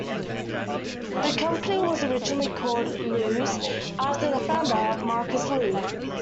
The company was originally called "Loew's", after the founder, Marcus Loew.